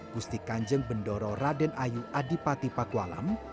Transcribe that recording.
gusti kanjeng bendoro raden ayu adipati pakualam